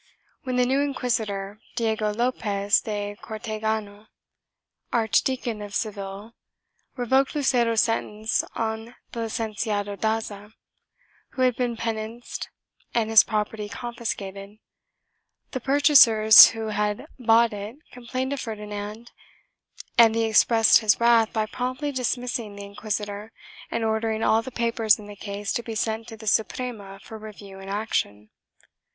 When the new inquisitor, Diego Lopez de Cortegano, Archdeacon of Seville, revoked Lu cero's sentence on the Licenciado Daza, who had been penanced and his property confiscated, the purchasers who had bought it complained to Ferdinand and he expressed his wrath by promptly dismissing the inquisitor and ordering all the papers in the case to be sent to the Suprema for review and action.